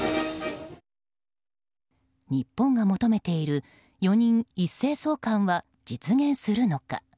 日本が求めている４人一斉送還は実現するのか。